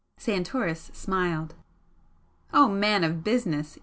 Santoris smiled. "Oh, man of 'business'!